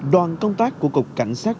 đoàn công tác của cục cảnh sát